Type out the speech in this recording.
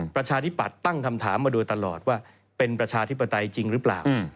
ประชาธิปัตย์ตั้งคำถามมาโดยตลอดว่าเป็นประชาธิปไตยจริงหรือเปล่า